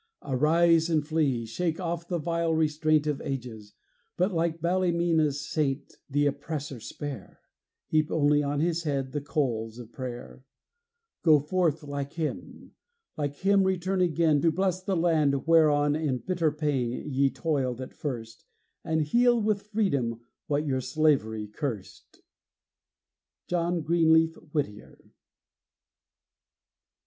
Arise and flee! shake off the vile restraint Of ages; but, like Ballymena's saint, The oppressor spare, Heap only on his head the coals of prayer. Go forth, like him! like him return again, To bless the land whereon in bitter pain Ye toiled at first, And heal with freedom what your slavery cursed. JOHN GREENLEAF WHITTIER.